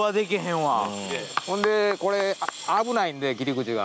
ほんでこれ危ないんで切り口が。